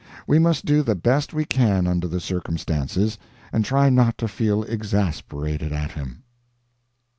We must do the best we can under the circumstances, and try not to feel exasperated at him.